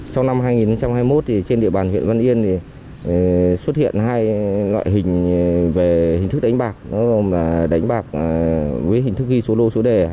trong năm hai nghìn hai mươi một trên địa bàn huyện văn yên xuất hiện hai loại hình về hình thức đánh bạc gồm đánh bạc với hình thức ghi số lô số đề